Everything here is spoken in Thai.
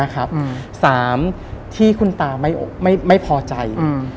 สามที่คุณตาไม่พอใจ